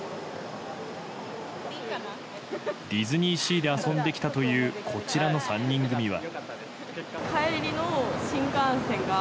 ディズニーシーで遊んできたというこちらの３人組は。